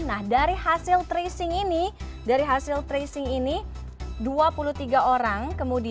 nah dari hasil tracing ini dua puluh tiga orang